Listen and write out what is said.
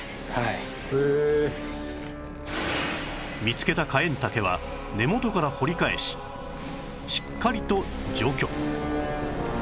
見つけたカエンタケは根元から掘り返ししっかりと除去